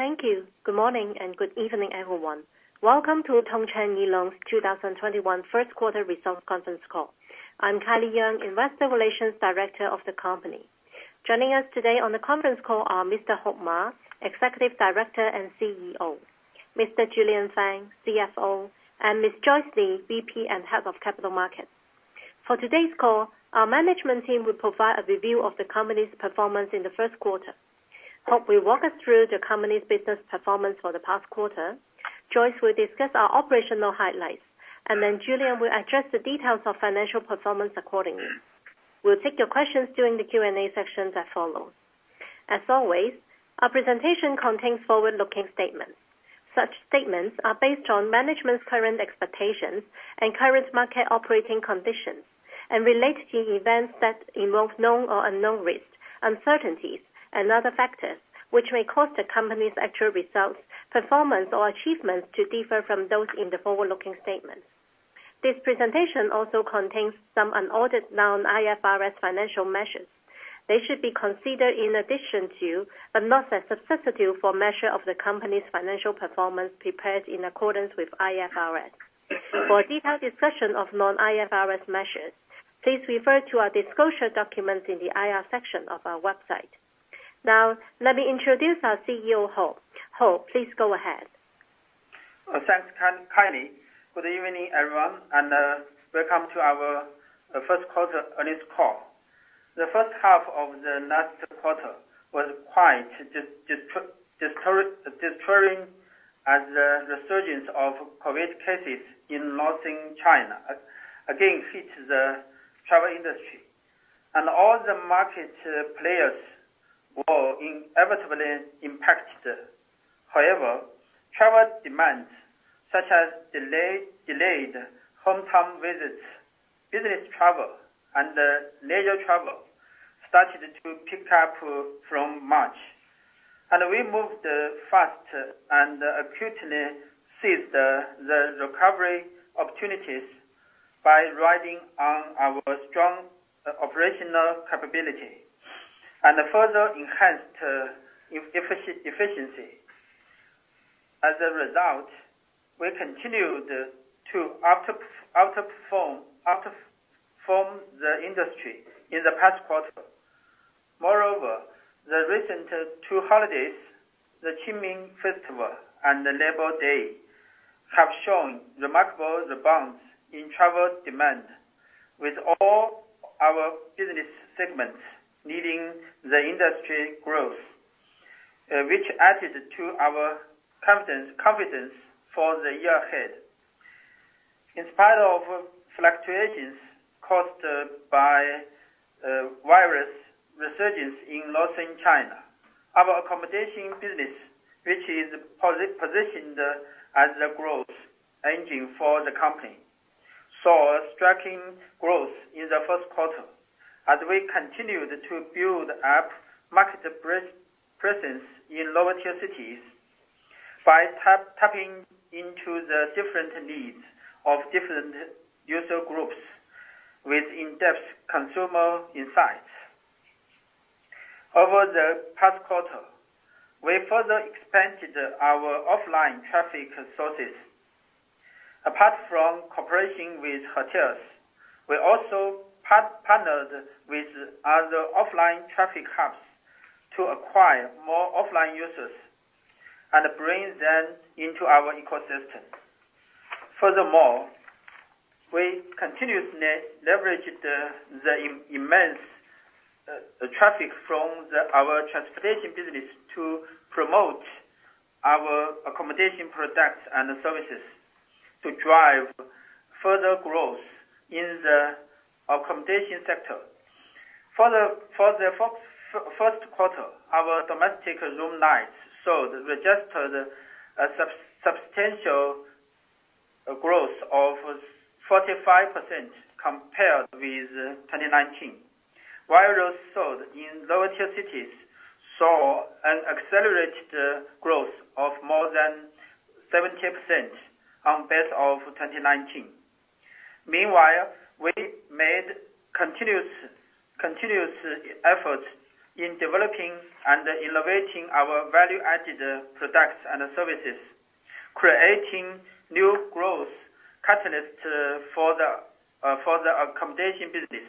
Thank you. Good morning and good evening, everyone. Welcome to Tongcheng Travel's 2021 first quarter results conference call. I'm Kylie Yeung, Investor Relations Director of the company. Joining us today on the conference call are Mr. Heping Ma, Executive Director and CEO, Mr. Julian Fan, CFO, and Ms. Joyce Li, VP and Head of Capital Markets. For today's call, our management team will provide a review of the company's performance in the first quarter. Heping Ma will walk us through the company's business performance for the past quarter. Joyce Li will discuss our operational highlights, and then Julian Fan will address the details of financial performance accordingly. We'll take your questions during the Q&A session as follows. As always, our presentation contains forward-looking statements. Such statements are based on management's current expectations and current market operating conditions and relate to events that involve known or unknown risks, uncertainties, and other factors which may cause the company's actual results, performance, or achievements to differ from those in the forward-looking statements. This presentation also contains some unaudited non-IFRS financial measures. They should be considered in addition to, but not as a substitute for, measures of the company's financial performance prepared in accordance with IFRS. For a detailed discussion of non-IFRS measures, please refer to our disclosure documents in the IR section of our website. Now, let me introduce our CEO, Heping. Heping, please go ahead. Thanks, Kylie. Good evening, everyone, and welcome to our first quarter earnings call. The first half of last quarter was quiet, but the surging of COVID-19 cases in mainland China again hit the travel industry, and all the market players were inevitably impacted. However, travel demand, such as delayed hometown visits, business travel, and leisure travel, started to pick up from March. We moved fast and acutely seized the recovery opportunities by riding on our strong operational capability and further enhanced efficiency. As a result, we continued to outperform the industry in the past quarter. Moreover, the recent two holidays, the Qingming Festival and Labor Day, have shown remarkable bounce in travel demand with all our business segments leading the industry growth, which added to our confidence for the year ahead. In spite of fluctuations caused by virus resurgences in mainland China, our accommodation business, which is positioned as a growth engine for the company, saw striking growth in the first quarter. We continued to build up market presence in lower-tier cities by tapping into the different needs of different user groups with in-depth consumer insights. Over the past quarter, we further expanded our offline traffic sources. Apart from cooperating with hotels, we also partnered with other offline traffic hubs to acquire more offline users and bring them into our ecosystem. Furthermore, we continuously leveraged the immense traffic from our transportation business to promote our accommodation products and services to drive further growth in the accommodation sector. For the first quarter, our domestic room nights sold registered a substantial growth of 45% compared with 2019. Rooms sold in lower-tier cities saw an accelerated growth of more than 70% on base of 2019. Meanwhile, we made continuous efforts in developing and innovating our value-added products and services, creating new growth catalysts for the accommodation business.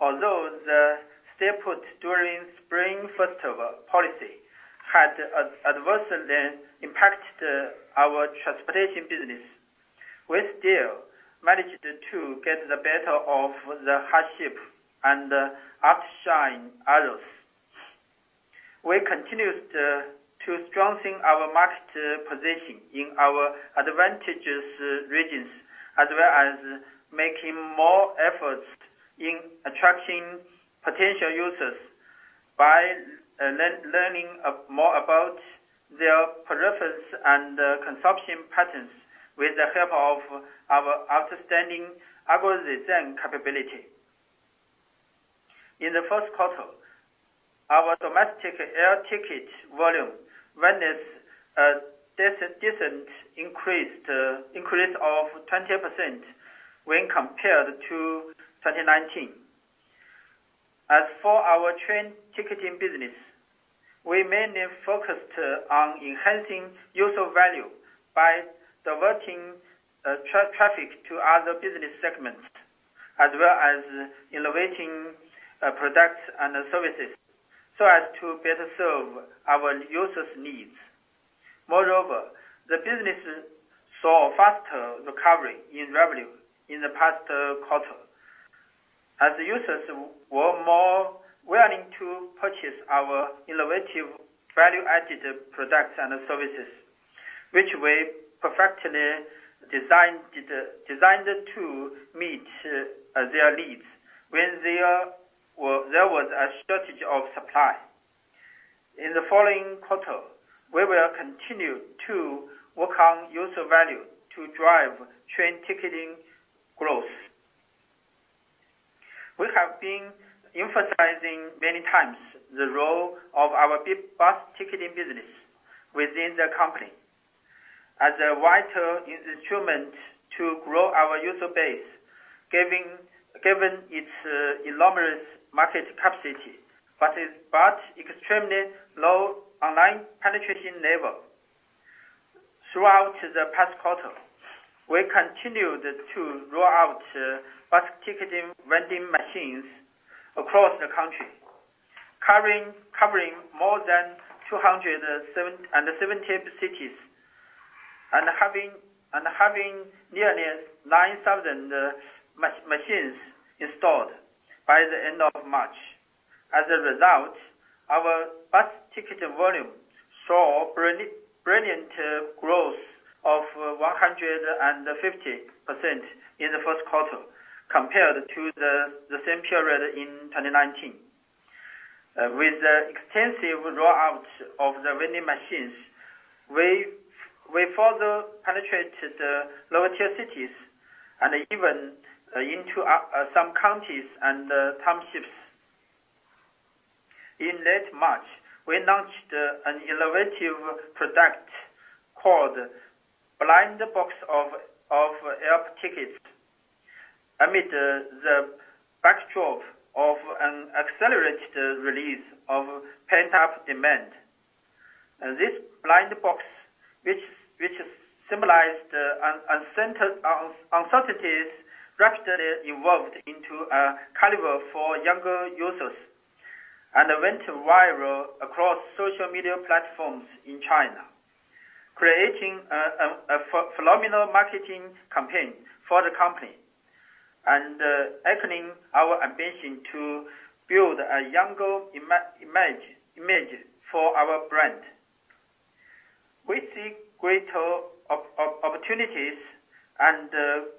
Although the Stay Put policy during Spring Festival had adversely impacted our transportation business, we still managed to get the better of the hardship and outshine others. We continued to strengthen our market position in our advantageous regions, as well as making more efforts in attracting potential users by learning more about their preference and consumption patterns with the help of our outstanding algorithm capability. In the first quarter, our domestic air ticket volume witnessed a decent increase of 20% when compared to 2019. Our train ticketing business, we mainly focused on enhancing user value by diverting traffic to other business segments, as well as innovating products and services so as to better serve our users' needs. The business saw a faster recovery in revenue in the past quarter as users were more willing to purchase our innovative value-added products and services, which we perfectly designed to meet their needs when there was a shortage of supply. In the following quarter, we will continue to work on user value to drive train ticketing growth. We have been emphasizing many times the role of our bus ticketing business within the company as a vital instrument to grow our user base, given its enormous market capacity, but extremely low online penetration level. Throughout the past quarter, we continued to roll out bus ticketing vending machines across the country, covering more than 270 cities and having nearly 9,000 machines installed by the end of March. As a result, our bus ticket volume saw brilliant growth of 150% in the first quarter compared to the same period in 2019. With the extensive rollout of the vending machines, we further penetrate the lower tier cities and even into some counties and townships. In late March, we launched an innovative product called Blind Box of Air Tickets. Amid the backdrop of an accelerated release of pent-up demand, this blind box, which symbolized the uncertainties rapidly evolved into a caliber for younger users and went viral across social media platforms in China, creating a phenomenal marketing campaign for the company and echoing our ambition to build a younger image for our brand. We see greater opportunities and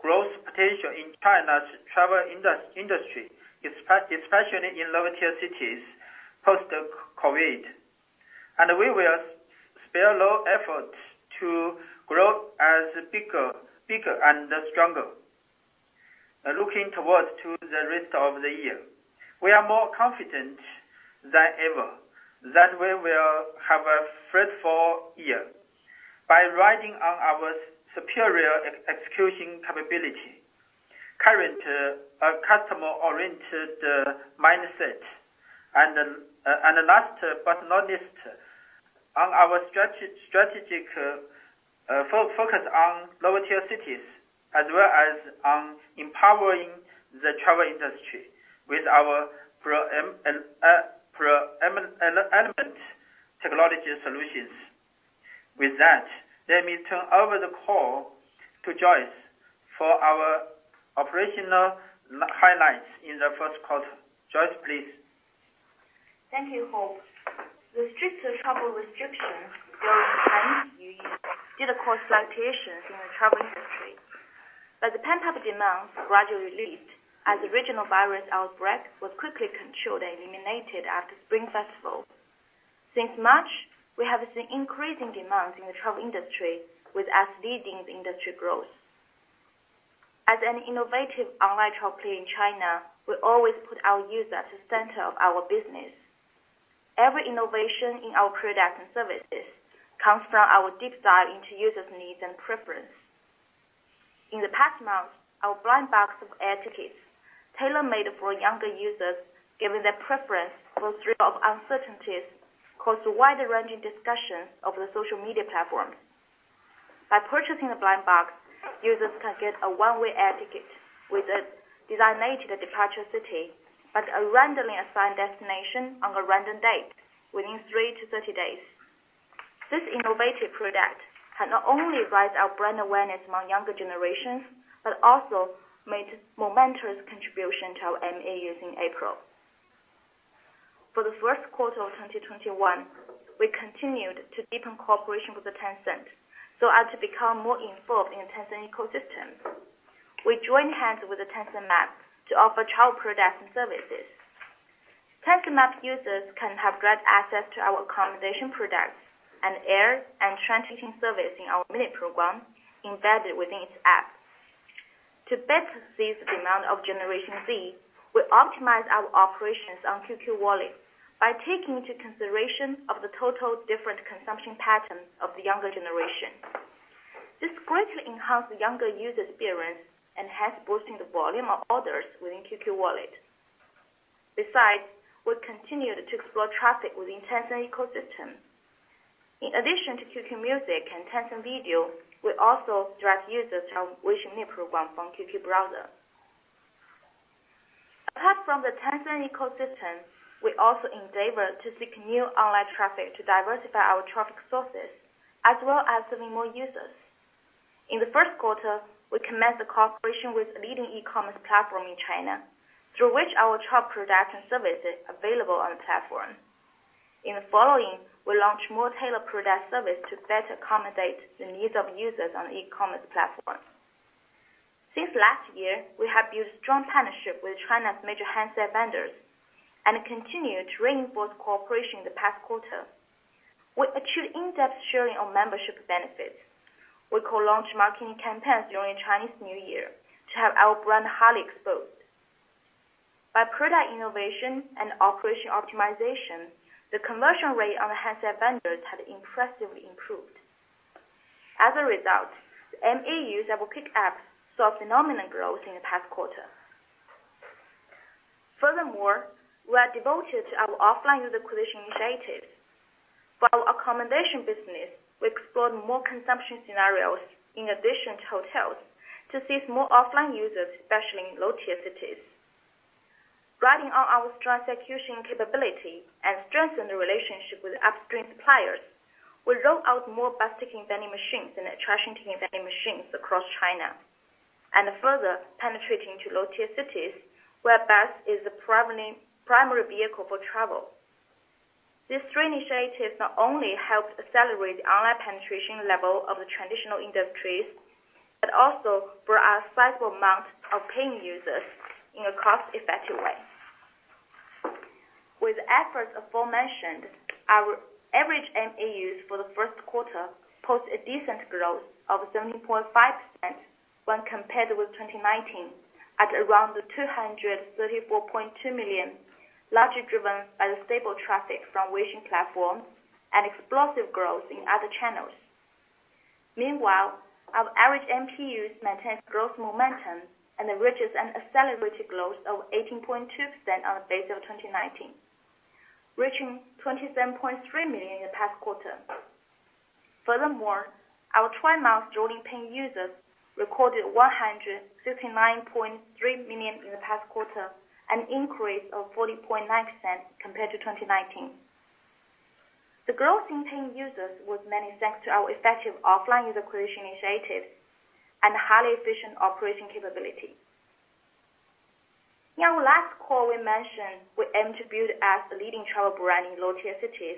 growth potential in China's travel industry, especially in lower-tier cities post-COVID, We will spare no effort to grow as bigger and stronger. Looking towards to the rest of the year, we are more confident than ever that we will have a fruitful year by riding on our superior execution capability, current customer-oriented mindset, Last but not least, on our strategic focus on lower-tier cities as well as on empowering the travel industry with our prominent technology solutions. With that, let me turn over the call to Joyce for our operational highlights in the first quarter. Joyce, please. Thank you, Heping. The stricter travel restrictions during Chinese New Year did cause fluctuations in the travel industry, but the pent-up demand gradually released as the original virus outbreak was quickly controlled and eliminated after Spring Festival. Since March, we have seen increasing demand in the travel industry, with us leading the industry growth. As an innovative online travel player in China, we always put our user at the center of our business. Every innovation in our products and services comes from our deep dive into users' needs and preference. In the past month, our Blind Box of Air Tickets, tailor-made for younger users, given their preference for the streak of uncertainties, caused a widely ranging discussion over social media platforms. By purchasing a Blind Box, users can get a one-way air ticket with a designated departure city at a randomly assigned destination on a random date within three to 30 days. This innovative product can not only raise our brand awareness among younger generations, but also made a momentous contribution to our MAU in April. For the first quarter of 2021, we continued to deepen cooperation with the Tencent so as to become more involved in Tencent ecosystem. We joined hands with the Tencent Maps to offer travel products and services. Tencent Maps users can have direct access to our accommodation products and air and train ticket service in our Mini Program embedded within its app. To better seize the demand of Generation Z, we optimize our operations on QQ Wallet by taking into consideration of the total different consumption patterns of the younger generation. This greatly enhanced the younger user experience and has boosted the volume of orders within QQ Wallet. We continued to explore traffic within Tencent ecosystem. In addition to QQ Music and Tencent Video, we also drive users to our Weixin Mini Program from QQ Browser. Apart from the Tencent ecosystem, we also endeavor to seek new online traffic to diversify our traffic sources, as well as serving more users. In the first quarter, we commenced the cooperation with a leading e-commerce platform in China, through which our top product services available on the platform. We launch more tailored product service to better accommodate the needs of users on the e-commerce platform. Since last year, we have built a strong partnership with China's major handset vendors and continued to reinforce cooperation in the past quarter. We achieved in-depth sharing of membership benefits. We co-launched marketing campaigns during Chinese New Year to have our brand highly exposed. By product innovation and operation optimization, the conversion rate on the handset vendors has impressively improved. As a result, the MAUs of our Quick Apps saw phenomenal growth in the past quarter. Furthermore, we are devoted to our offline user acquisition initiatives. For our accommodation business, we explored more consumption scenarios in addition to hotels to seize more offline users, especially in low-tier cities. Riding on our strong execution capability and strengthen the relationship with upstream suppliers, we roll out more bus ticketing vending machines and attraction ticketing vending machines across China, and further penetrating to low-tier cities where bus is the primary vehicle for travel. These three initiatives not only help accelerate the online penetration level of the traditional industries, but also bring a sizable amount of paying users in a cost-effective way. With efforts aforementioned, our average MAUs for the first quarter post a decent growth of 17.5% when compared with 2019 at around 234.2 million, largely driven by the stable traffic from Weixin platform and explosive growth in other channels. Our average MPUs maintains growth momentum and reaches an accelerated growth of 18.2% on a base of 2019, reaching 27.3 million in the past quarter. Our 12-month rolling paying users recorded 159.3 million in the past quarter, an increase of 40.9% compared to 2019. The growth in paying users was many thanks to our effective offline user acquisition initiatives and highly efficient operating capability. In our last call, we mentioned we aim to build as the leading travel brand in low-tier cities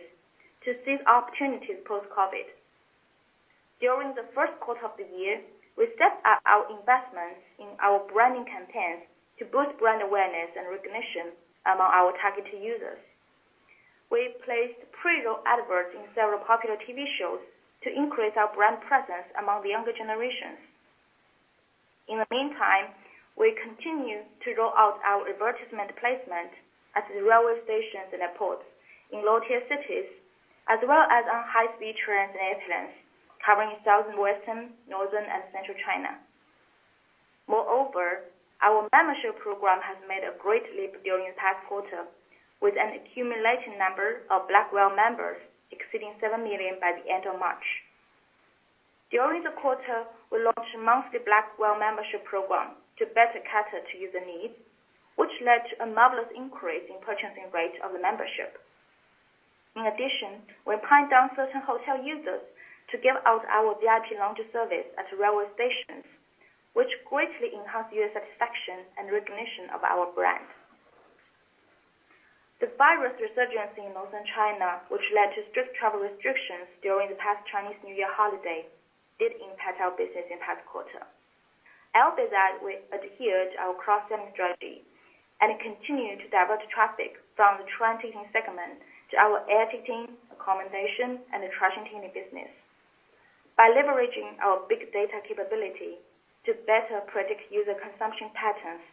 to seize opportunities post-COVID. During the first quarter of the year, we stepped up our investments in our branding campaigns to boost brand awareness and recognition among our targeted users. We've placed pre-roll adverts in several popular TV shows to increase our brand presence among the younger generations. In the meantime, we continue to roll out our advertisement placement at the railway stations and airports in low-tier cities, as well as on high-speed trains and airlines covering South Western, Northern, and Central China. Moreover, our membership program has made a great leap during the past quarter with an accumulated number of Black Whale members exceeding seven million by the end of March. During the quarter, we launched monthly Black Whale Membership program to better cater to user needs, which led to a marvelous increase in purchasing rate of the membership. We pinned down certain hotel users to give out our VIP lounge service at railway stations, which greatly enhanced user satisfaction and recognition of our brand. The virus resurgence in Northern China, which led to strict travel restrictions during the past Chinese New Year holiday, did impact our business in the past quarter. We adhered to our cross-selling strategy and continued to divert traffic from the train ticketing segment to our air ticketing, accommodation, and attraction ticketing business. By leveraging our big data capability to better predict user consumption patterns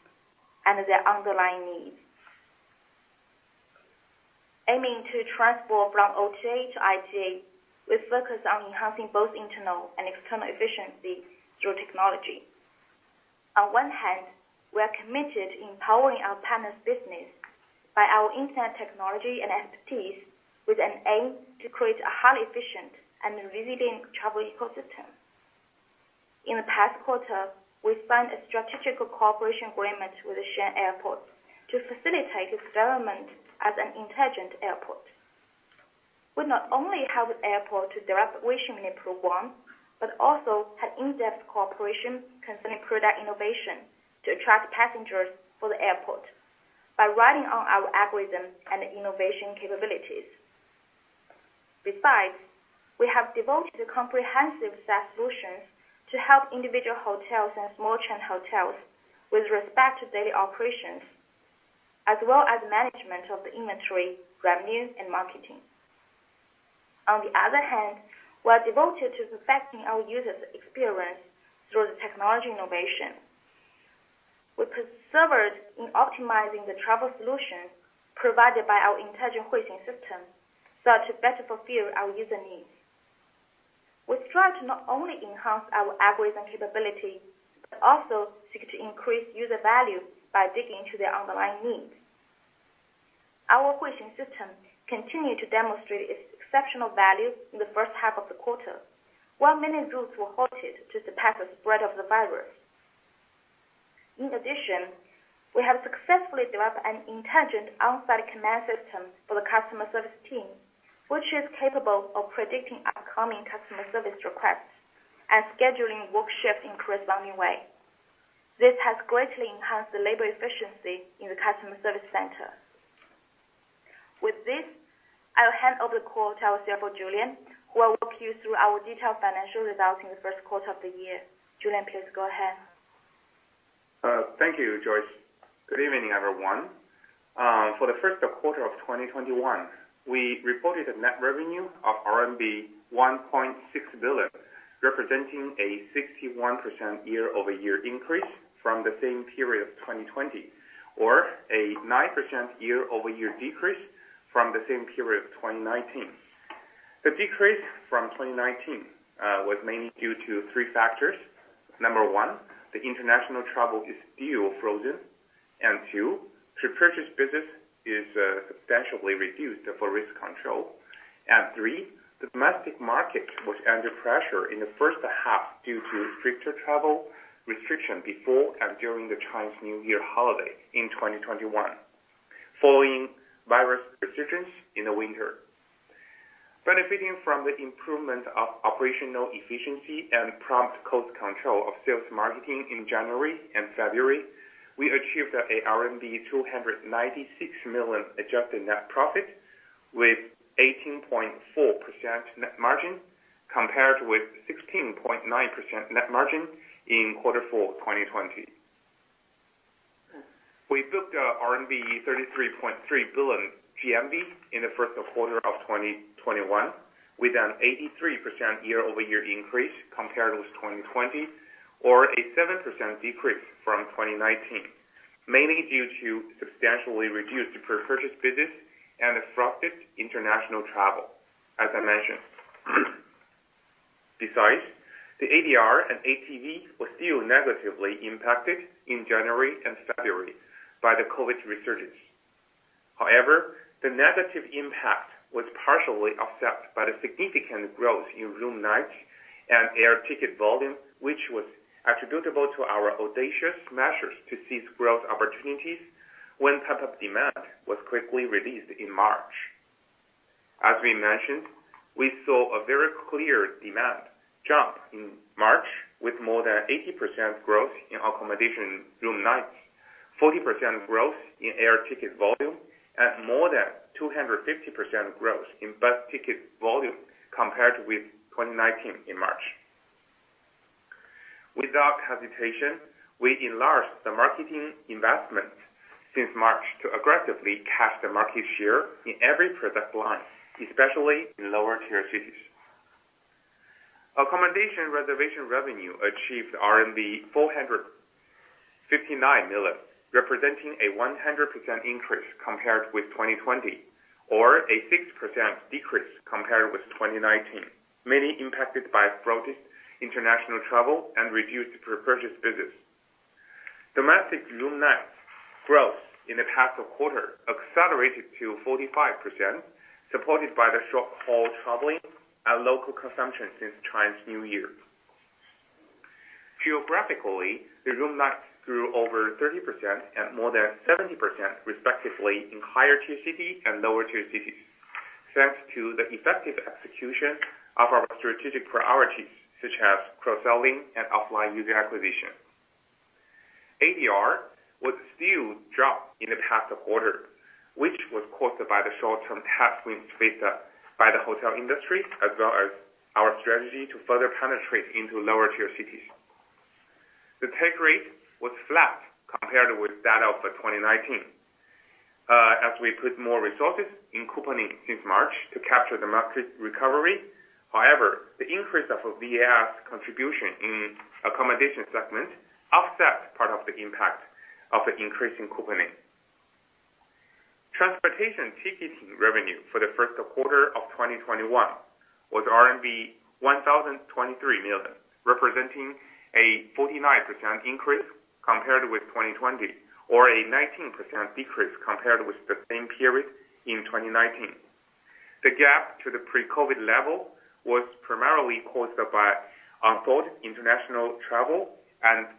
and their underlying needs, aiming to transform from OTA to ITA, we focus on enhancing both internal and external efficiency through technology. On one hand, we are committed to empowering our partners' business by our internet technology and expertise with an aim to create a highly efficient and resilient travel ecosystem. In the past quarter, we signed a strategic cooperation agreement with Xi'an Airport to facilitate its development as an intelligent airport. We not only helped the airport to develop Weixin Mini Program, but also had in-depth cooperation concerning product innovation to attract passengers for the airport by riding on our algorithm and innovation capabilities. Besides, we have devoted comprehensive solutions to help individual hotels and small chain hotels with respect to daily operations, as well as management of the inventory, revenue, and marketing. On the other hand, we are devoted to perfecting our users' experience through technology innovation. We persevered in optimizing the travel solution provided by our intelligent Huixing system so as to better fulfill our user needs. We strive to not only enhance our algorithm capability but also seek to increase user value by digging into their online needs. Our Huixing system continued to demonstrate its exceptional value in the first half of the quarter. 1 million rooms were hosted to suppress the spread of the virus. In addition, we have successfully developed an intelligent on-site command system for the customer service team, which is capable of predicting upcoming customer service requests and scheduling work shifts in a corresponding way. This has greatly enhanced the labor efficiency in the customer service center. With this, I'll hand over the call to our CFO, Julian, who will walk you through our detailed financial results in the first quarter of the year. Julian, please go ahead. Thank you, Joyce. Good evening, everyone. For the first quarter of 2021, we reported a net revenue of RMB 1.6 billion, representing a 61% year-over-year increase from the same period of 2020 or a 9% year-over-year decrease from the same period of 2019. The decrease from 2019 was mainly due to three factors. Number 1, the international travel is still frozen, and 2, pre-purchase business is substantially reduced for risk control, and 3, domestic market was under pressure in the first half due to stricter travel restrictions before and during the Chinese New Year holiday in 2021 following virus resurgence in the winter. Benefiting from the improvement of operational efficiency and prompt cost control of sales marketing in January and February, we achieved a RMB 296 million adjusted net profit with 18.4% net margin compared with 16.9% net margin in Q4 2020. We booked a RMB 33.3 billion GMV in the first quarter of 2021 with an 83% year-over-year increase compared with 2020 or a 7% decrease from 2019, mainly due to substantially reduced pre-purchase business and restricted international travel, as I mentioned. Besides, the ADR and ATP were still negatively impacted in January and February by the COVID-19 resurgence. However, the negative impact was partially offset by the significant growth in room night and air ticket volume, which was attributable to our audacious measures to seize growth opportunities when pent-up demand was quickly released in March. As we mentioned, we saw a very clear demand jump in March with more than 80% growth in accommodation room nights, 40% growth in air ticket volume, and more than 250% growth in bus ticket volume compared with 2019 in March. Without hesitation, we enlarged the marketing investment since March to aggressively capture the market share in every product line, especially in lower tier cities. Accommodation reservation revenue achieved 459 million, representing a 100% increase compared with 2020 or a 6% decrease compared with 2019, mainly impacted by restricted international travel and reduced pre-purchase business. Domestic room night growth in the past quarter accelerated to 45%, supported by the short-haul traveling and local consumption since Chinese New Year. Geographically, the room nights grew over 30% and more than 70% respectively in higher tier cities and lower tier cities, thanks to the effective execution of our strategic priorities, such as cross-selling and offline user acquisition. ADR was still dropped in the past quarter, which was caused by the short-term half-price deals by the hotel industry as well as our strategy to further penetrate into lower tier cities. The take rate was flat compared with that of 2019, as we put more resources in couponing since March to capture the market recovery. However, the increase of VAS contribution in accommodation segment offset part of the impact of the increase in couponing. Transportation ticketing revenue for the first quarter of 2021 was RMB 1,023 million, representing a 49% increase compared with 2020 or a 19% decrease compared with the same period in 2019. The gap to the pre-COVID level was primarily caused by halted international travel and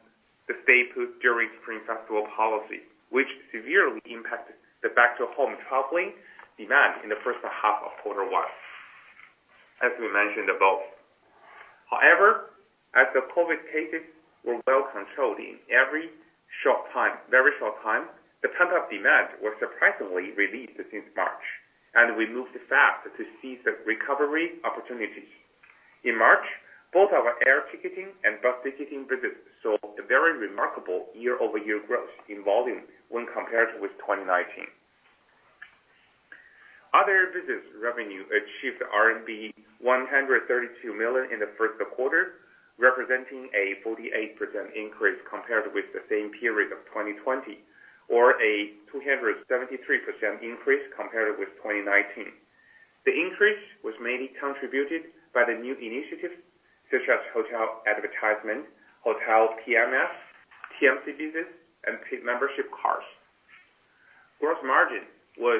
the Stay Put policy, which severely impacted the back-to-home traveling demand in the first half of quarter one, as we mentioned above. However, as the COVID cases were well controlled in every very short time, the pent-up demand was surprisingly released since March, and we moved fast to seize the recovery opportunities. In March, both our air ticketing and bus ticketing business saw a very remarkable year-over-year growth in volume when compared with 2019. Other business revenue achieved RMB 132 million in the first quarter, representing a 48% increase compared with the same period of 2020, or a 273% increase compared with 2019. The increase was mainly contributed by the new initiatives such as hotel advertisement, hotel PMS, TMC business, and paid membership cards. Gross margin was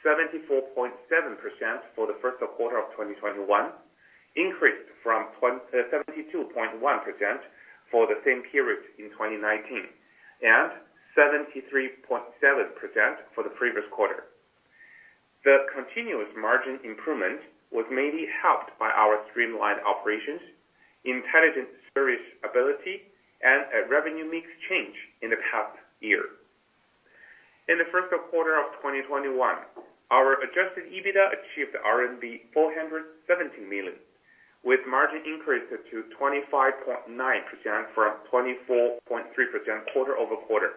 74.7% for the first quarter of 2021, increased from 72.1% for the same period in 2019 and 73.7% for the previous quarter. The continuous margin improvement was mainly helped by our streamlined operations, intelligent dispatch ability, and a revenue mix change in the past year. In the first quarter of 2021, our adjusted EBITDA achieved RMB 417 million, with margin increased to 25.9% from 24.3% quarter-over-quarter.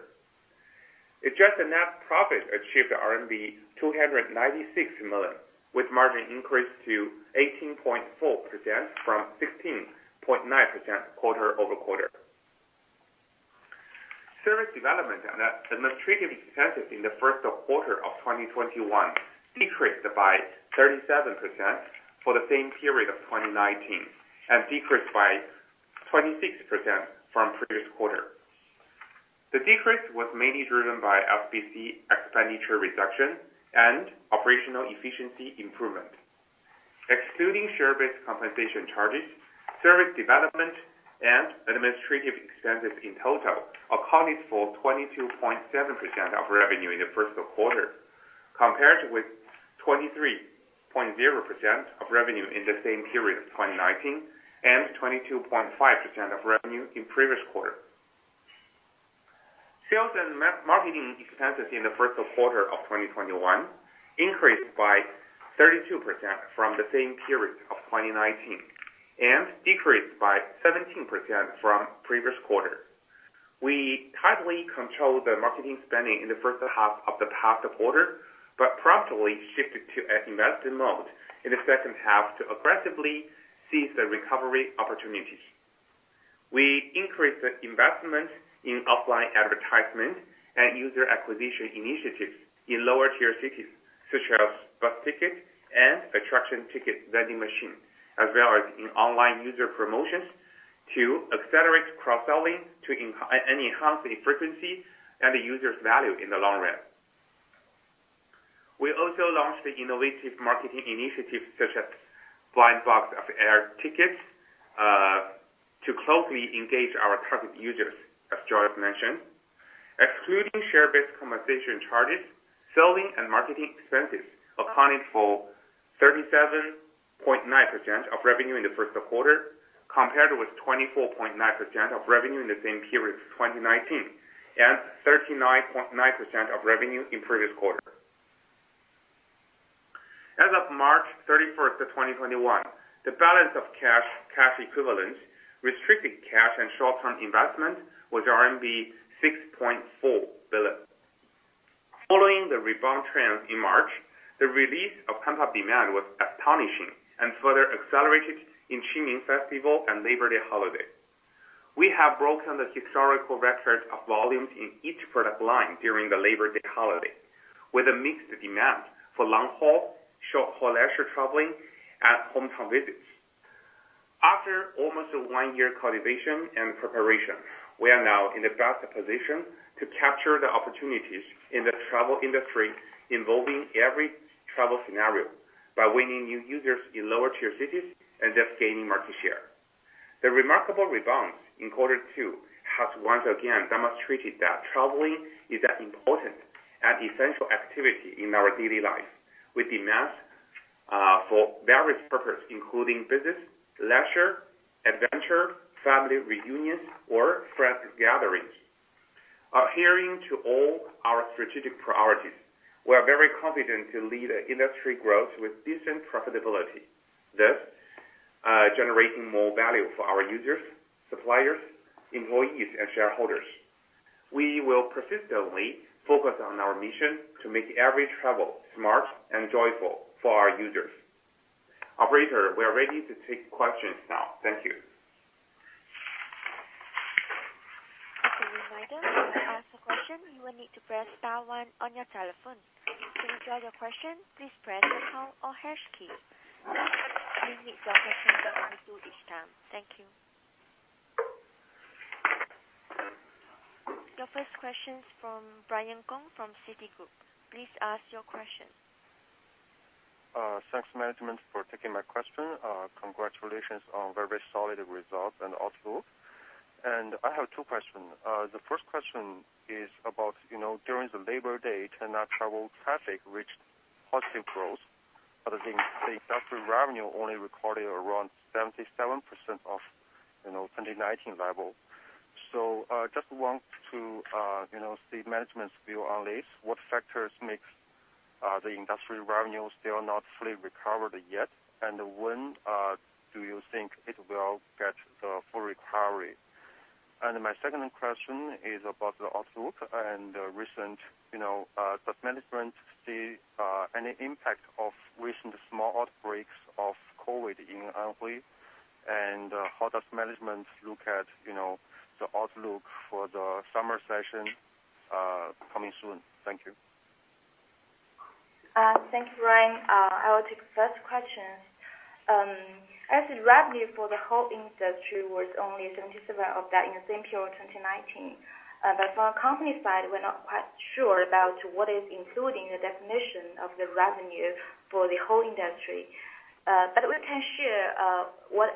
Adjusted net profit achieved RMB 296 million, with margin increased to 18.4% from 16.9% quarter-over-quarter. Service development and administrative expenses in the first quarter of 2021 decreased by 37% for the same period of 2019 and decreased by 26% from previous quarter. The decrease was mainly driven by R&D expenditure reduction and operational efficiency improvement. Excluding share-based compensation charges, service development, and administrative expenses in total accounted for 22.7% of revenue in the first quarter, compared with 23.0% of revenue in the same period of 2019 and 22.5% of revenue in previous quarter. Sales and marketing expenses in the first quarter of 2021 increased by 32% from the same period of 2019 and decreased by 17% from previous quarter. We tightly controlled the marketing spending in the first half of the past quarter, but promptly shifted to investment mode in the second half to aggressively seize the recovery opportunity. We increased the investment in offline advertisement and user acquisition initiatives in lower-tier cities such as bus ticket and attraction ticket vending machine, as well as in online user promotions to accelerate cross-selling, to enhance the frequency and the user's value in the long run. We also launched innovative marketing initiatives such as Blind Box of Air Tickets, to closely engage our current users, as Joyce Li mentioned. Excluding share-based compensation charges, selling and marketing expenses accounted for 37.9% of revenue in the first quarter, compared with 24.9% of revenue in the same period of 2019 and 39.9% of revenue in previous quarter. As of March 31st of 2021, the balance of cash equivalents, restricted cash, and short-term investments was RMB 6.4 billion. Following the rebound trend in March, the release of pent-up demand was astonishing and further accelerated in Qingming Festival and Labor Day holiday. We have broken the historical records of volumes in each product line during the Labor Day holiday, with a mixed demand for long-haul, short-haul leisure traveling, and hometown visits. After almost a one-year cultivation and preparation, we are now in the best position to capture the opportunities in the travel industry involving every travel scenario by winning new users in lower-tier cities and thus gaining market share. The remarkable rebound in quarter two has once again demonstrated that traveling is an important and essential activity in our daily lives, with demands for various purposes including business, leisure, adventure, family reunions, or friend gatherings. Adhering to all our strategic priorities, we are very confident to lead the industry growth with decent profitability, thus generating more value for our users, suppliers, employees, and shareholders. We will persistently focus on our mission to make every travel smart and joyful for our users. Operator, we are ready to take questions now. Thank you. To ask a question, you will need to press star one your telephone. To withdraw your question, please press the pound or hash key. Next, we have got question from the floor this time. Thank you. The first question is from Brian Gong from Citigroup. Please ask your question. Thanks, management, for taking my question. Congratulations on very solid results and outlook. I have two questions. The first question is about during the Labor Day, Tongcheng Travel traffic reached positive growth, but I think the industry revenue only recorded around 77% of 2019 level. I just want to see management's view on this. What factors makes the industry revenues still not fully recovered yet? When do you think it will get the full recovery? My second question is about the outlook and recent. Does management see any impact of recent small outbreaks of COVID in Anhui? How does management look at the outlook for the summer session coming soon? Thank you. Thank you, Brian Gong. I will take the first question. The revenue for the whole industry was only 77% of that in the same period 2019. From a company side, we are not quite sure about what is included in the definition of the revenue for the whole industry. We can share what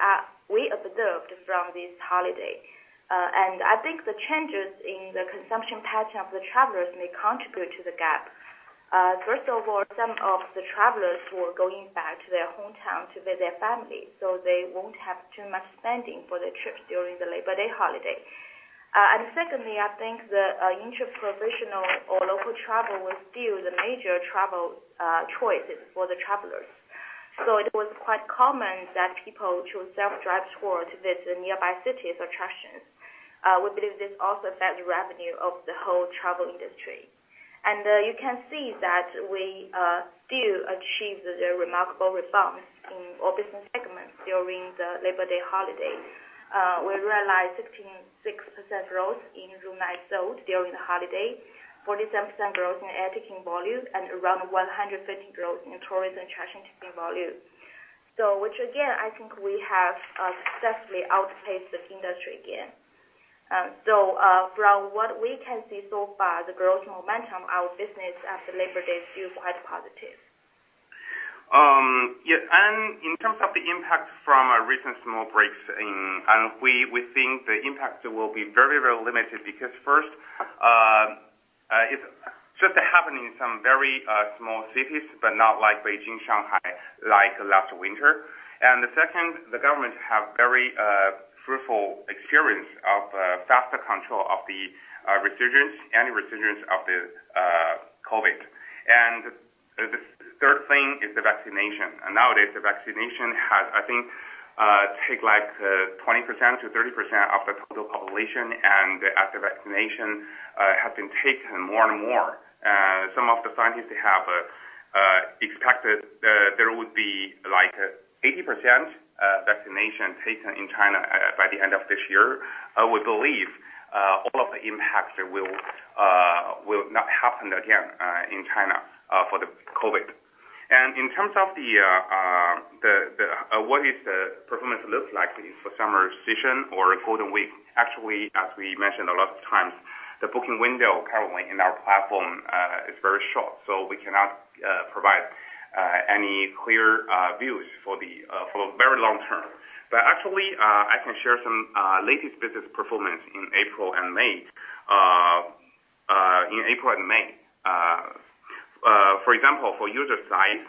we observed from this holiday. I think the changes in the consumption pattern of the travelers may contribute to the gap. First of all, some of the travelers were going back to their hometown to visit their family, so they will not have too much spending for the trips during the Labor Day holiday. Secondly, I think the inter-provincial or local travel was still the major travel choice for the travelers. It was quite common that people choose self-drive tour to visit nearby cities' attractions. We believe this also affects the revenue of the whole travel industry. You can see that we still achieved a remarkable response in all business segments during the Labor Day holiday. We realized 15.6% growth in room nights sold during the holiday, 47% growth in air ticketing volume, and around 150% growth in tourism attraction ticketing volume. Which again, I think we have successfully outpaced the industry again. From what we can see so far, the growth momentum, our business after Labor Day is still quite positive. Yeah. In terms of the impact from recent small outbreaks in Anhui, we think the impact will be very limited because first, it's just happening in some very small cities, but not like Beijing, Shanghai, like last winter. The second, the government have very fruitful experience of faster control of any resurgence of the COVID. The third thing is the vaccination. Nowadays the vaccination has, I think, take 20%-30% of the total population. As the vaccination have been taken more and more, some of the scientists have expected that there would be 80% vaccination taken in China by the end of this year. I would believe all of the impacts will not happen again in China for the COVID. In terms of what is the performance look like for summer session or Golden Week. Actually, as we mentioned a lot of times, the booking window currently in our platform is very short, so we cannot provide any clear views for the very long-term. Actually, I can share some latest business performance in April and May. For example, for user side,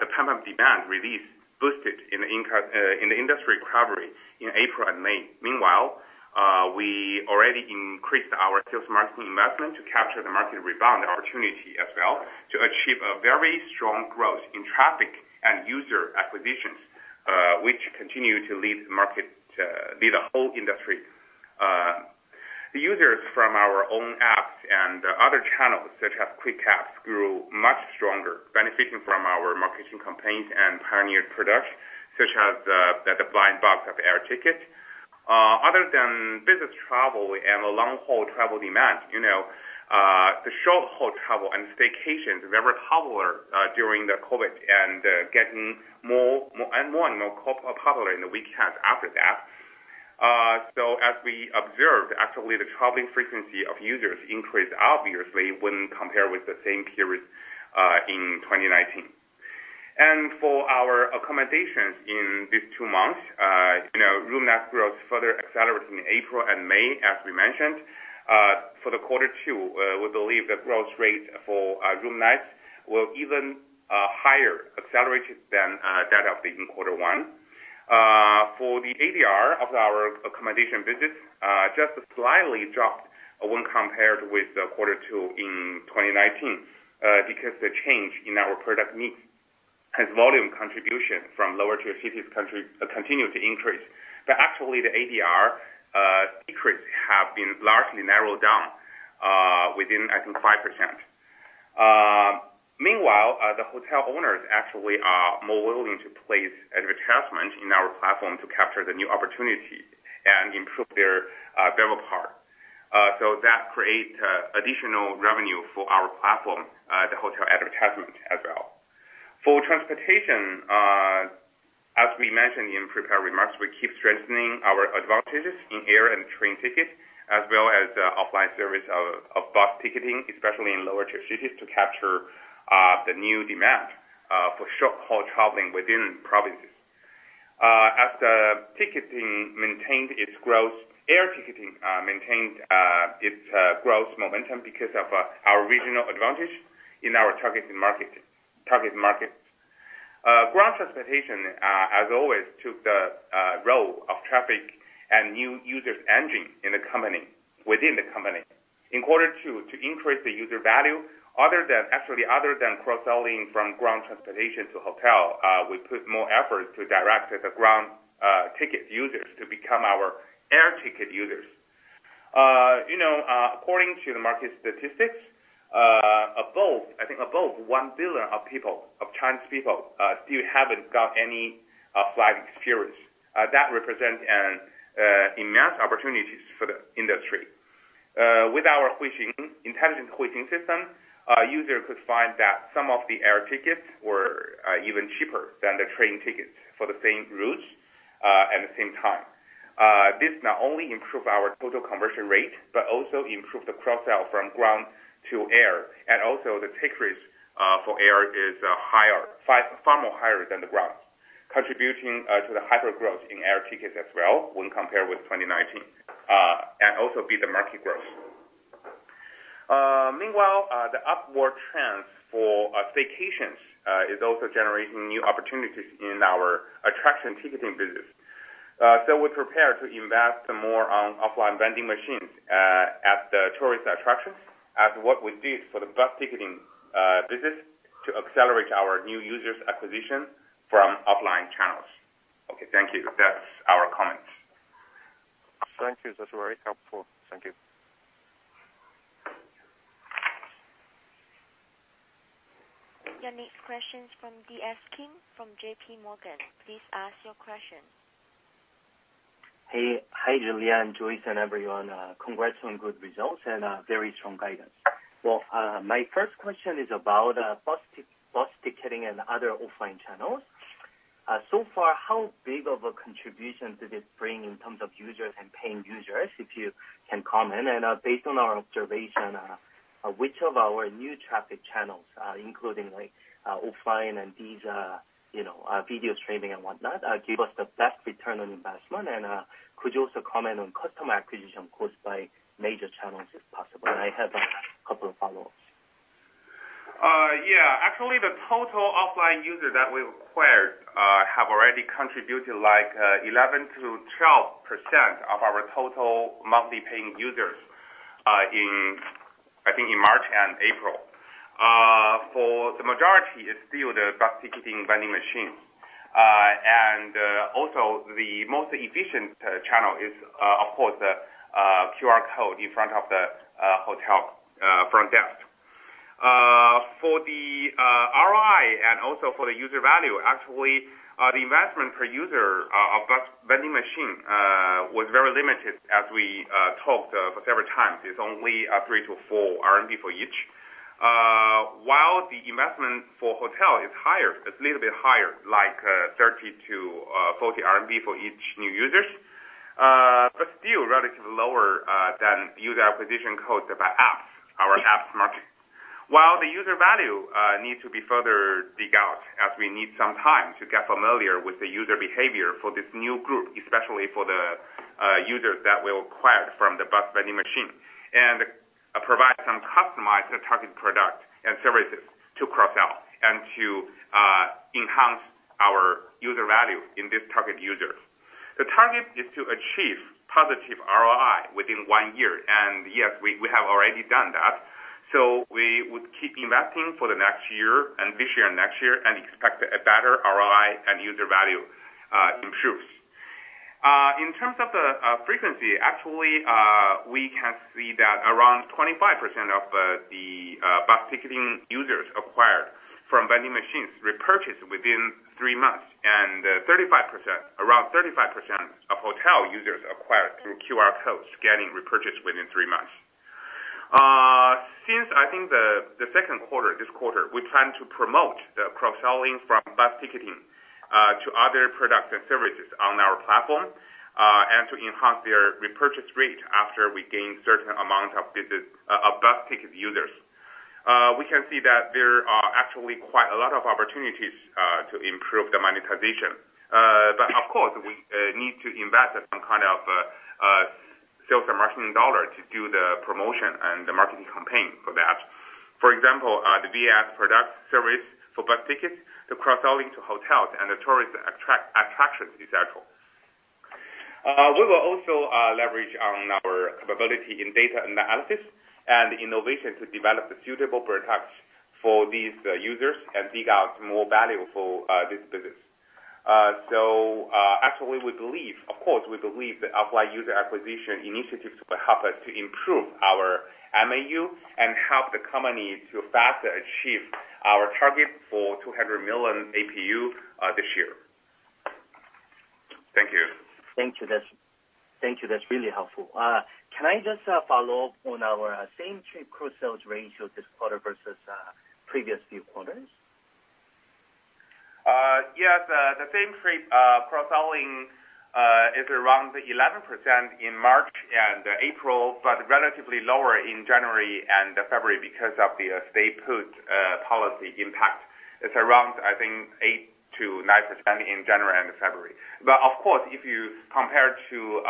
the pent-up demand release boosted in the industry recovery in April and May. Meanwhile, we already increased our sales marketing investment to capture the market rebound opportunity as well to achieve a very strong growth in traffic and user acquisitions, which continue to lead the whole industry. The users from our own apps and other channels, such as Quick App, grew much stronger, benefiting from our marketing campaigns and pioneered products, such as the Blind Box of Air Tickets. Other than business travel and the long-haul travel demand, the short-haul travel and staycations were very popular during the COVID-19 and getting more and more popular in the weekends after that. As we observed, actually, the traveling frequency of users increased obviously when compared with the same period in 2019. For our accommodations in these two months, room night growth further accelerated in April and May, as we mentioned. For the quarter two, we believe the growth rate for room nights were even higher accelerated than that of in quarter one. For the ADR of our accommodation business just slightly dropped when compared with quarter two in 2019 because the change in our product mix has volume contribution from lower tier cities continued to increase. Actually, the ADR decrease have been largely narrowed down within I think 5%. Meanwhile, the hotel owners actually are more willing to place advertisement in our platform to capture the new opportunity and improve their RevPAR. That create additional revenue for our platform, the hotel advertisement as well. For transportation, as we mentioned in prepared remarks, we keep strengthening our advantages in air and train tickets as well as offline service of bus ticketing, especially in lower-tier cities, to capture the new demand for short-haul traveling within provinces. As the ticketing maintained its growth, air ticketing maintained its growth momentum because of our regional advantage in our target markets. Ground transportation, as always, took the role of traffic and new users engine within the company. In order to increase the user value, actually other than cross-selling from ground transportation to hotel, we put more effort to direct the ground ticket users to become our air ticket users. According to the market statistics, above 1 billion Chinese people still haven't got any flight experience. That represents an immense opportunity for the industry. With our intelligent pricing system, users could find that some of the air tickets were even cheaper than the train tickets for the same route at the same time. This not only improved our total conversion rate, but also improved the cross-sell from ground to air. Also the ticket for air is far more higher than the ground, contributing to the hyper-growth in air tickets as well when compared with 2019, and also beat the market growth. Meanwhile, the upward trends for staycations is also generating new opportunities in our attraction ticketing business. We prepare to invest some more on offline vending machines at the tourist attractions as what we did for the bus ticketing business to accelerate our new users acquisition from offline channels. Okay. Thank you. That's our comments. Thank you. That's very helpful. Thank you. The next question's from DS Kim from JPMorgan. Please ask your question. Hey. Hi, Julian and Joyce Li and everyone. Congrats on good results and very strong guidance. Well, my first question is about bus ticketing and other offline channels. So far, how big of a contribution did it bring in terms of users and paying users, if you can comment? Based on our observation, which of our new traffic channels, including offline and these video streaming and whatnot, give us the best ROI? Could you also comment on customer acquisition cost by major channels, if possible? I have a couple of follow-ups. Yeah. Actually, the total offline users that we acquired have already contributed 11%-12% of our total monthly paying users in, I think, March and April. For the majority, it's still the bus ticketing vending machine. Also the most efficient channel is, of course, the QR code in front of the hotel front desk. For the ROI and also for the user value, actually, the investment per user of bus vending machine was very limited as we talked several times. It's only 3-4 RMB for each. While the investment for hotel is a little bit higher, like 30-40 RMB for each new user. Still relatively lower than user acquisition cost of our app market. The user value need to be further dig out as we need some time to get familiar with the user behavior for this new group, especially for the users that we acquired from the bus vending machine, and provide some customized target product and services to cross-sell and to enhance our user value in this target user. The target is to achieve positive ROI within one year, and yet we have already done that. We would keep investing for this year and next year and expect a better ROI and user value improves. In terms of the frequency, actually, we can see that around 25% of the bus ticketing users acquired from vending machines repurchased within three months, and around 35% of hotel users acquired through QR codes getting repurchased within three months. Since, I think, the second quarter, this quarter, we plan to promote the cross-selling from bus ticketing to other product and services on our platform, and to enhance their repurchase rate after we gain certain amount of bus ticket users. Of course, we need to invest some kind of sales and marketing dollar to do the promotion and the marketing campaign for that. For example, the VAS product service for bus tickets to cross-selling to hotels and the tourist attractions, et cetera. We will also leverage on our capability in data analysis and innovation to develop a suitable product for these users and dig out more value for this business. Actually, of course, we believe the offline user acquisition initiatives will help us to improve our MAU and help the company to faster achieve our target for 200 million APU this year. Thank you. Thank you. That's really helpful. Can I just follow up on our same trip cross-sells ratio this quarter versus previous few quarters? Yes. The same trip cross-selling is around 11% in March and April, but relatively lower in January and February because of the Stay Put policy impact. It's around, I think, 8%-9% in January and February. Of course, if you compare to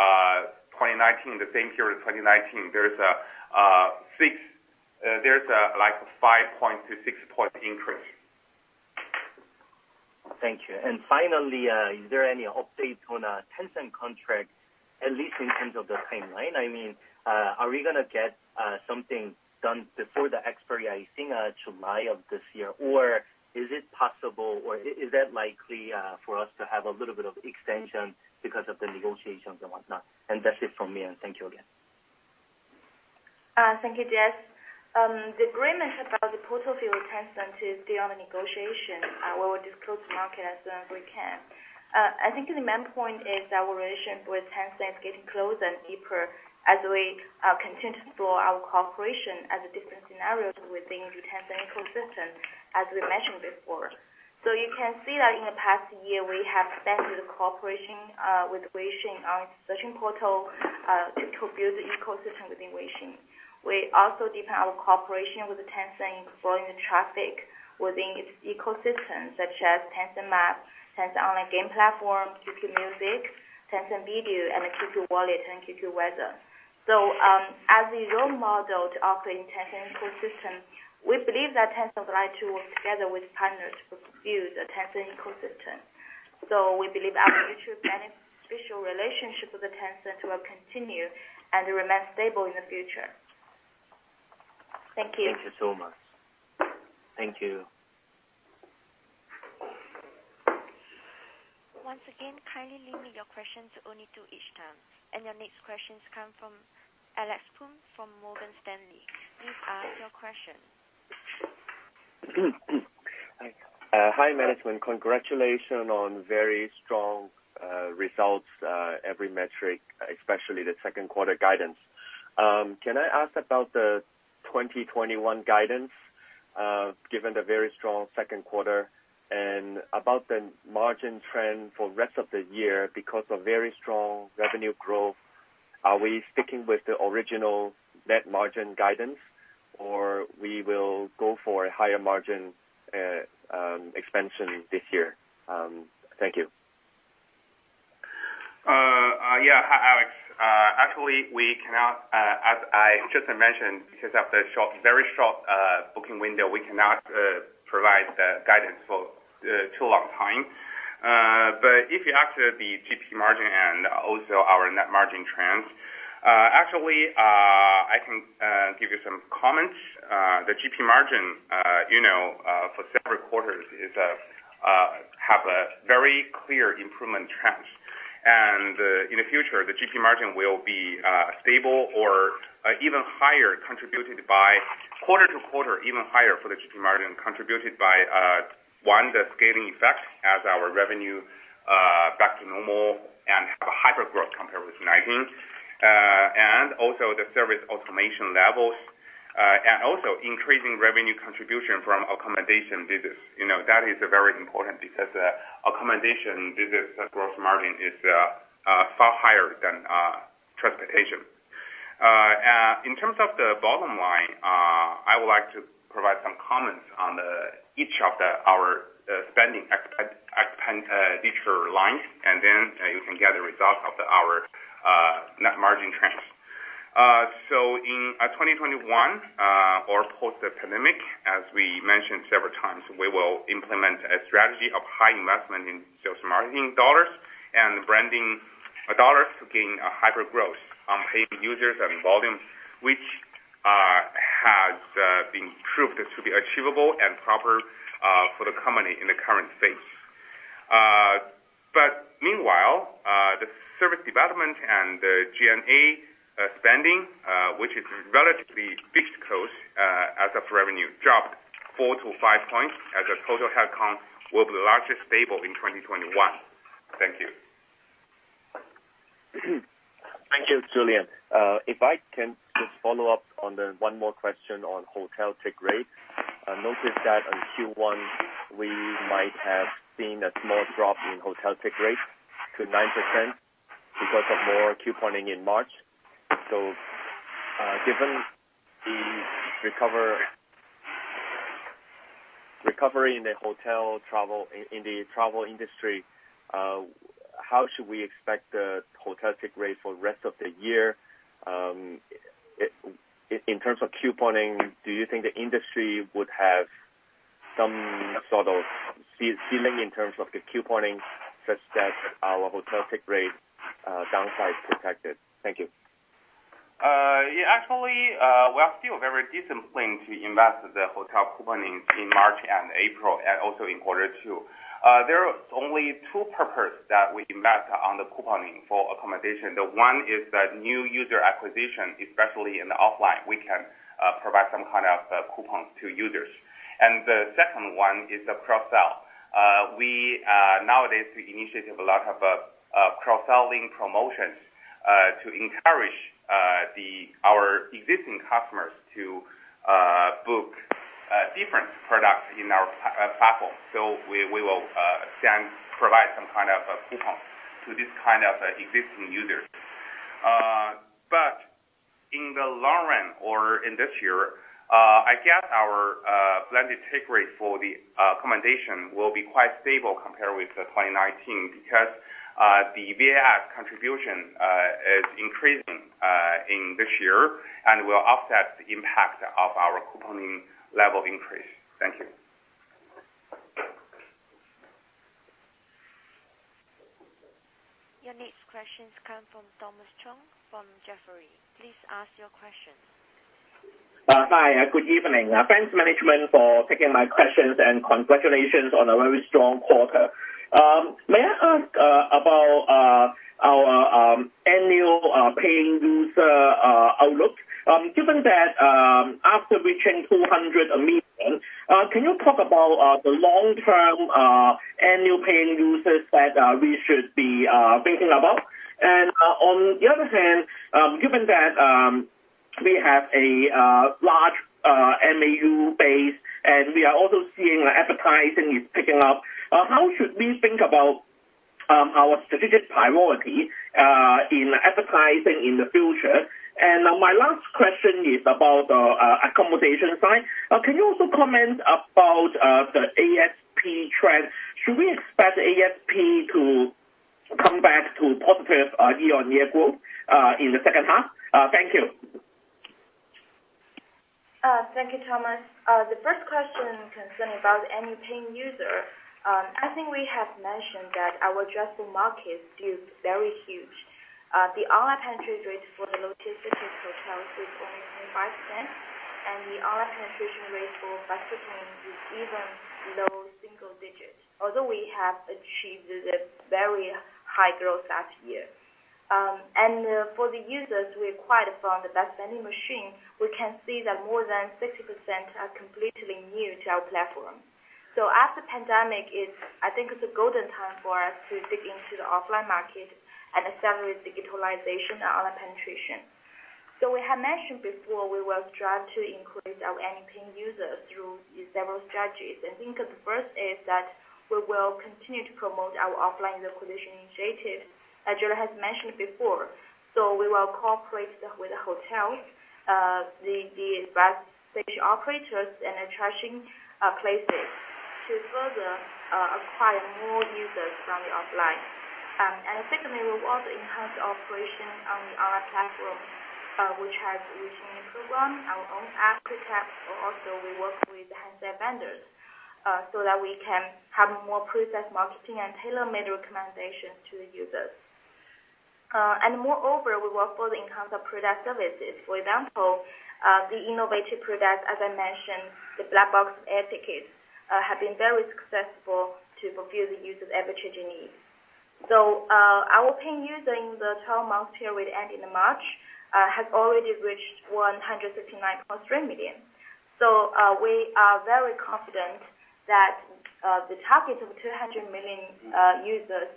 the same period in 2019, there's a 5 point-6 point increase. Thank you. Finally, is there any updates on Tencent contract, at least in terms of the timeline? Are we going to get something done before the expiry, I think, July of this year, or is it possible, or is that likely for us to have a little bit of extension because of the negotiations and whatnot? That's it from me, and thank you again. Thank you, Kim. The agreement about the portal deal with Tencent is still under negotiation. We will disclose to market as soon as we can. I think the main point is our relation with Tencent is close and deeper as we continue to grow our cooperation at the business scenarios within the Tencent ecosystem, as we mentioned before. You can see that in the past year, we have expanded cooperation with Weixin on searching portal to build the ecosystem within Weixin. We also deepened our cooperation with Tencent for the traffic within its ecosystem, such as Tencent Map, Tencent online game platform, QQ Music, Tencent Video, QQ Wallet, and QQ Weather. As we role model the operating Tencent ecosystem, we believe that Tencent would like to work together with partners to build the Tencent ecosystem. We believe our mutually beneficial relationship with Tencent will continue and will be stable in the future. Thank you. Thank you so much. Thank you. Once again, kindly limit your questions only to each time. Our next questions come from Alex Poon from Morgan Stanley. Please ask your question. Hi, management. Congratulations on very strong results, every metric, especially the second quarter guidance. Can I ask about the 2021 guidance, given the very strong second quarter, and about the margin trend for rest of the year because of very strong revenue growth? Are we sticking with the original net margin guidance, or we will go for a higher margin expansion this year? Thank you. Alex. Actually, as Joyce Li mentioned, because of the very short booking window, we cannot provide the guidance for too long time. If you ask the GP margin and also our net margin trends, actually, I can give you some comments. The GP margin, for several quarters, has a very clear improvement trend. In the future, the GP margin will be stable or even higher, quarter-to-quarter, even higher for the GP margin contributed by, one, the scaling effects as our revenue back to normal and have a higher growth compared with 2019. Also the service automation levels, and also increasing revenue contribution from accommodation business. That is very important because the accommodation business gross margin is far higher than transportation. In terms of the bottom line, I would like to provide some comments on each of our spending feature lines, and then you can get the results of our net margin trends. In 2021, or post-pandemic, as we mentioned several times, we will implement a strategy of high investment in sales marketing dollars and branding dollars to gain hyper-growth on paid users and volume, which has been proved to be achievable and proper for the company in the current stage. Meanwhile, the service development and the G&A spending, which is relatively fixed cost as revenue dropped 4-5 percentage points as the total headcount will be largely stable in 2021. Thank you. Thank you, Julian. If I can just follow up on one more question on hotel take rate. I noticed that in Q1, we might have seen a small drop in hotel take rate to 9% because of more couponing in March. Given the recovery in the travel industry, how should we expect the hotel take rate for the rest of the year? In terms of couponing, do you think the industry would have some sort of ceiling in terms of the couponing such that our hotel take rate downside-protected? Thank you. Yeah, actually, we have a very decent plan to invest the hotel couponing in March and April, and also in quarter two. There are only two purpose that we invest on the couponing for accommodation. The one is the new user acquisition, especially in the offline. We can provide some kind of coupons to users. The second one is the cross-sell. We nowadays initiate a lot of cross-selling promotions to encourage our existing customers to book different products in our platform. We will then provide some kind of a coupon to these existing users. In the long run or in this year, I guess our blended take rate for the accommodation will be quite stable compared with 2019, because the VAS contribution is increasing in this year and will offset the impact of our coupon level increase. Thank you. Your next question comes from Thomas Chong from Jefferies. Please ask your question. Hi. Good evening. Thanks for management for taking my questions and congratulations on a very strong quarter. May I ask about our annual paying user outlook? Given that after reaching 200 million, can you talk about the long-term annual paying users that we should be thinking about? On the other hand, given that we have a large MAU base and we are also seeing advertising is picking up, how should we think about our strategic priority in advertising in the future? My last question is about the accommodation side. Can you also comment about the ASP trends? Should we expect ASP to come back to positive year-on-year growth in the second half? Thank you. Thank you, Thomas. The first question concerned about annual paying user. I think we have mentioned that our addressable market is very huge. The online penetration rate for the logistics and hotels is only 25%, and the online penetration rate for restaurant is even low single digits, although we have achieved a very high growth last year. For the users we acquired from the vending machine, we can see that more than 60% are completely new to our platform. As the pandemic ends, I think it's a golden time for us to dig into the offline market and accelerate digitalization and online penetration. We have mentioned before, we will try to increase our annual paying users through several strategies. I think the first is that we will continue to promote our offline acquisition initiatives, as Julian has mentioned before. We will cooperate with the hotels, the ride-hailing operators, and attraction places to further acquire more users from the offline. Secondly, we want to enhance our operation on our platform, which has recently improved our own app, but also we work with third-party vendors so that we can have more precise marketing and tailor-made recommendations to users. Moreover, we will fully enhance our product varieties. For example, the innovative product, as I mentioned, the Blind Box of Air Tickets, have been very successful to fulfill the users' [every detail] needs. Our paying users in the 12-month period ending in March, has already reached 159.3 million. We are very confident that the target of 200 million users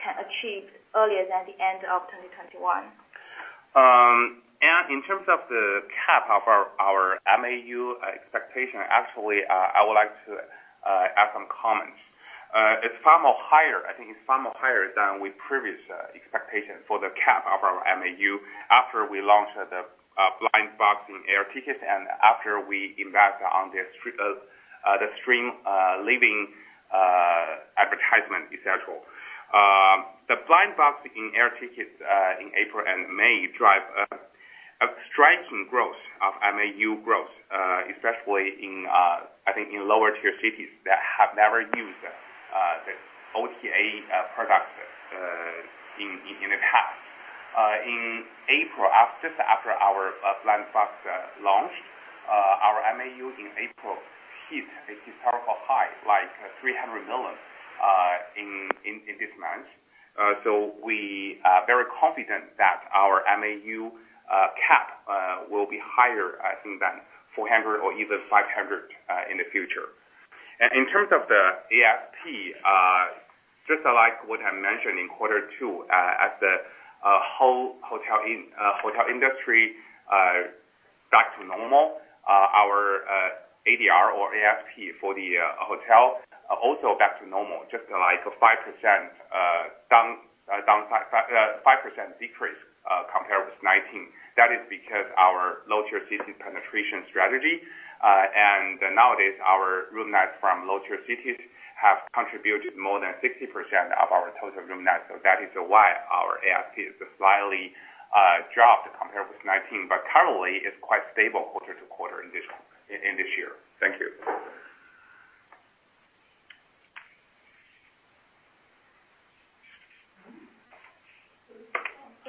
can be achieved earlier than the end of 2021. In terms of the cap of our MAU expectation, actually, I would like to add some comments. I think it's far more higher than our previous expectation for the cap of our MAU after we launched the Blind Box of Air Tickets and after we embarked on the stream leading advertisement initiative. The Blind Box of Air Tickets in April and May, drive a striking MAU growth, especially in, I think, in lower tier cities that have never used the OTA product in the past. In April, just after our Blind Box launch, our MAU in April hit a historical high, like 300 million in this month. We are very confident that our MAU cap will be higher, I think than 400 or even 500 in the future. In terms of the ASP, just like what I mentioned in quarter two, as the hotel industry got to normal, our ADR or ASP for the hotel also got to normal, just like a 5% decrease compared with 2019. That is because our low-tier cities penetration strategy. Nowadays our room nights from low-tier cities have contributed more than 60% of our total room nights. That is why our ASP is slightly dropped compared with 2019, but probably is quite stable quarter-to-quarter in this year. Thank you.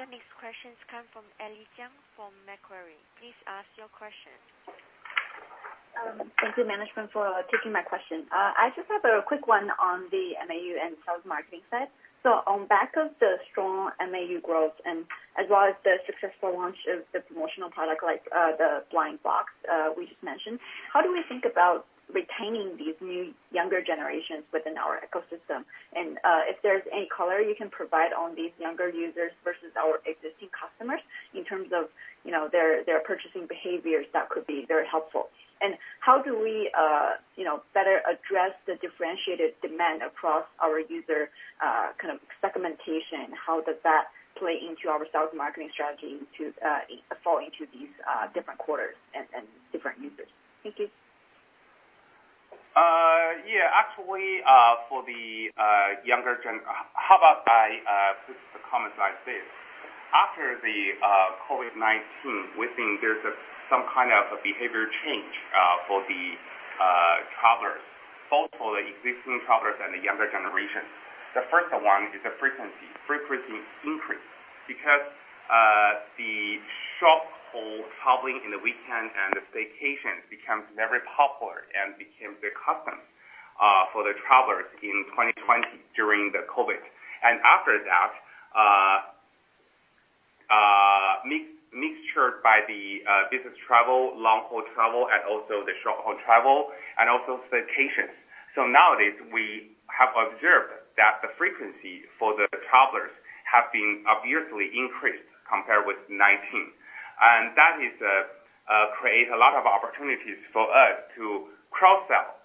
Your next question comes from Ellie Jiang from Macquarie. Please ask your question. Thank you, management, for taking my question. I just have a quick one on the MAU and sales marketing side. On the back of the strong MAU growth and as well as the successful launch of this promotional product, like the blind box we just mentioned, how do we think about retaining these new younger generations within our ecosystem? If there's any color you can provide on these younger users versus our existing customers in terms of their purchasing behaviors, that could be very helpful. How do we better address the differentiated demand across our user segmentation? How does that play into our sales marketing strategy into falling into these different quarters and different users? Thank you. Yeah. How about I put the comments like this? After the COVID-19, we think there's some kind of a behavior change for the travelers, both for the existing travelers and the younger generation. The first one is the frequency. Frequency increased because the short-haul traveling in the weekend and the staycation became very popular and became the custom for the travelers in 2020 during the COVID. After that, mixed by the business travel, long-haul travel, and also the short-haul travel, and also staycations. Nowadays, we have observed that the frequency for the travelers have been obviously increased compared with 2019. That creates a lot of opportunities for us to cross-sell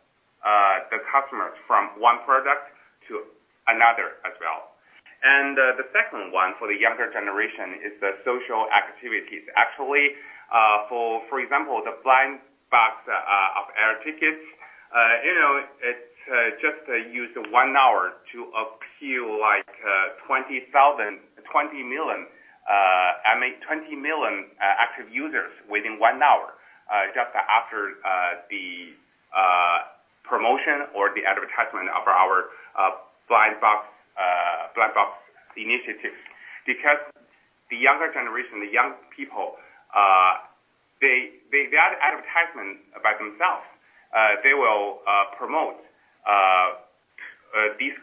the customers from one product to another as well. The second one for the younger generation is the social activities. Actually, for example, the Blind Box of Air Tickets. It just used one hour to appeal 20 million active users within one hour, just after the promotion or the advertisement of our Blind Box initiative. The younger generation, the young people, they got advertisement by themselves. They will promote these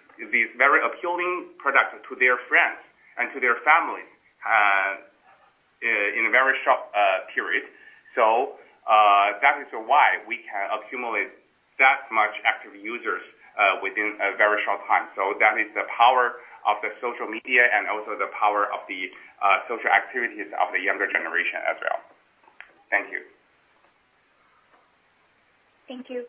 very appealing products to their friends and to their family in a very short period. That is why we can accumulate that much active users within a very short time. That is the power of the social media and also the power of the social activities of the younger generation as well. Thank you. Thank you.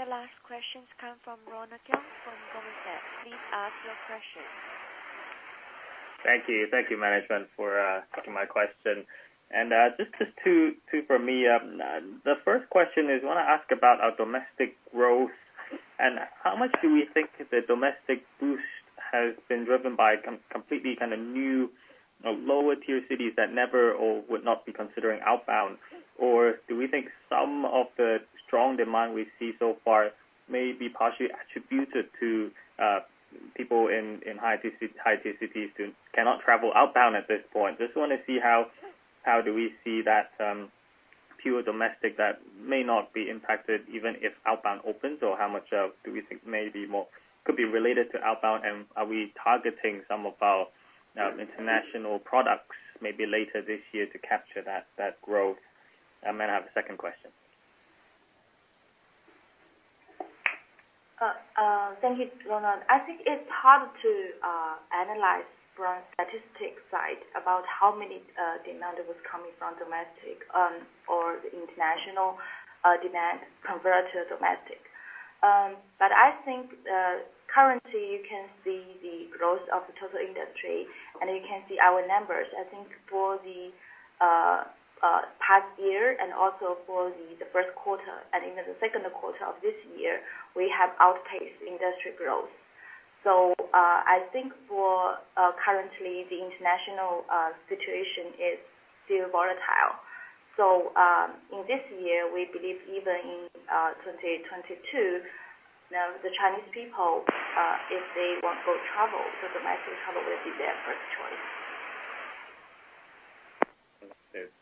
Your last question comes from Ronan from Bernstein. Please ask your question. Thank you. Thank you, management, for taking my question. Just two from me. The first question is I want to ask about domestic growth and how much do we think the domestic boost has been driven by completely new lower tier cities that never or would not be considering outbound? Do we think some of the strong demand we see so far may be partially attributed to people in high-tier cities who cannot travel outbound at this point? Just want to see how do we see that pure domestic that may not be impacted even if outbound opens, or how much do we think could be related to outbound? Are we targeting some of our international products maybe later this year to capture that growth? I might have a second question. Thank you, Ronan. I think it's hard to analyze from statistics side about how many demand was coming from domestic or the international demand compared to domestic. I think currently you can see the growth of the total industry, and you can see our numbers. I think for the past year and also for the first quarter and even the second quarter of this year, we have outpaced industry growth. I think for currently, the international situation is still volatile. In this year, we believe even in 2022, the Chinese people, if they want to travel, domestic travel will be their first choice.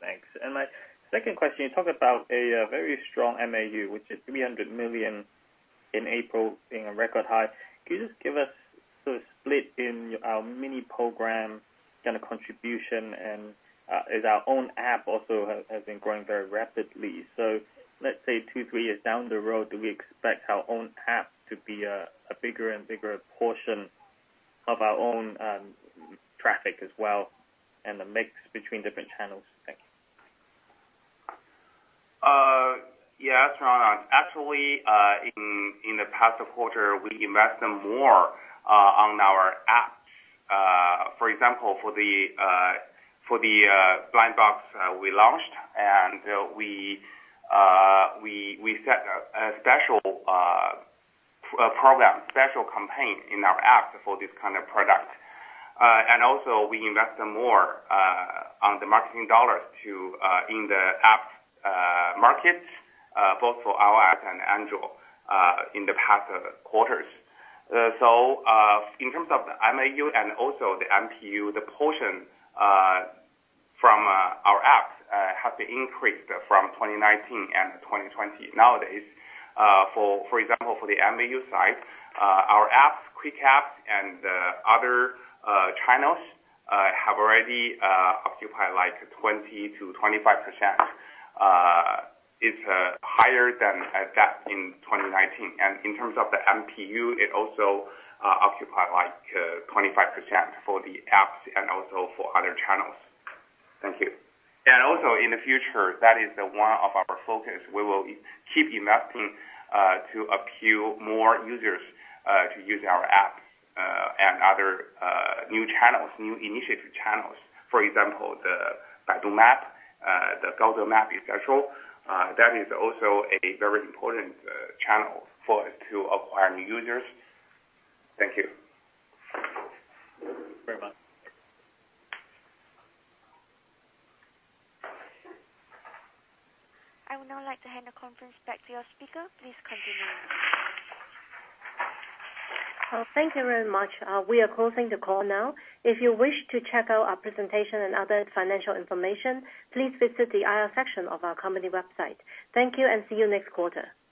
Thanks. My second question, you talk about a very strong MAU, which is 300 million in April, being a record high. Can you just give us sort of split in our Mini Program contribution? Our own app also has been growing very rapidly. Let's say two, three years down the road, do we expect our own app to be a bigger and bigger portion of our own traffic as well, and the mix between different channels? Yeah. Actually, in the past quarter, we invested more on our app. For example, for the blind box we launched and we set a special program, special campaign in our app for this kind of product. We invested more on the marketing RMB in the app markets, both for iOS and Android, in the past quarters. In terms of MAU and also the MPU, the portion from our apps has increased from 2019 and 2020. Nowadays, for example, for the MAU side, our apps, Quick App, and other channels, have already occupied 20%-25%. It's higher than that in 2019. In terms of the MPU, it also occupy 25% for the apps and also for other channels. Thank you. In the future, that is one of our focus. We will keep investing to appeal more users to use our apps and other new initiative channels. For example, the Baidu Map, the Amap in general, that is also a very important channel to acquire new users. Thank you very much. I would now like to hand the conference back to your speaker. Please continue. Thank you very much. We are closing the call now. If you wish to check out our presentation and other financial information, please visit the IR section of our company website. Thank you, and see you next quarter.